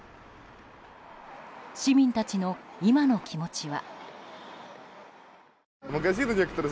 市民たちの、今の気持ちは。